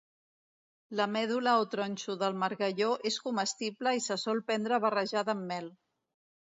La medul·la o tronxo del margalló és comestible i se sol prendre barrejada amb mel.